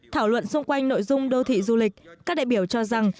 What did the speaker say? thảo luận xung quanh nội dung đô thị du lịch các đại biểu cho rằng